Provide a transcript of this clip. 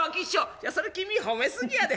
「いやそれ君褒め過ぎやで。